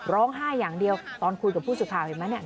ร้องไห้อย่างเดียวตอนคุยกับผู้สื่อข่าวเห็นไหมเนี่ย